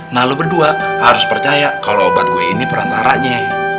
nah lo berdua harus percaya kalau obat gue ini perantaranya